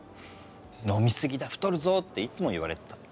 「飲みすぎだ太るぞ」っていつも言われてた。